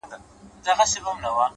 o په زر چنده مرگ بهتره دی ـ